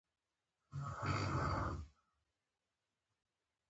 شخصي شتمني ځمکو کورونو کې بنده ده.